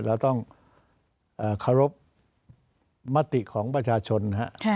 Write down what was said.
เราต้องเคารพมติของประชาชนนะครับ